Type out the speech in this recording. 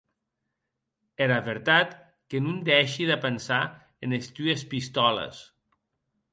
Era vertat, que non dèishi de pensar enes tues pistòles.